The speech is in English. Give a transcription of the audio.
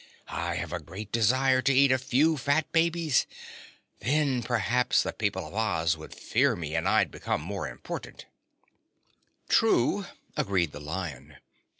I have a great desire to eat a few fat babies. Then, perhaps, the people of Oz would fear me and I'd become more important." "True," agreed the Lion.